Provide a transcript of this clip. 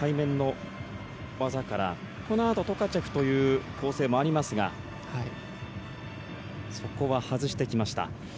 背面の技からこのあとトカチェフという構成もありますがそこは、外してきました。